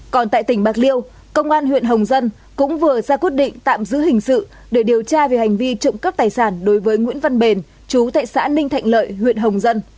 còn tại tỉnh bạc liêu công an huyện hồng dân cũng vừa ra quyết định tạm giữ hình sự để điều tra về hành vi trộm cắp tài sản đối với nguyễn văn bền chú tại xã ninh thạnh lợi huyện hồng dân